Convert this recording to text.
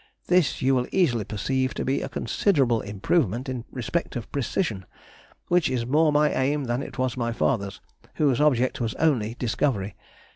This you will easily perceive to be a considerable improvement in respect of precision, which is more my aim than it was my father's, whose object was only discovery.